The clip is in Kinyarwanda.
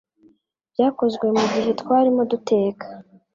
byakozwe mu gihe twarimo duteka